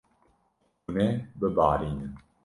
Hûn ê bibarînin.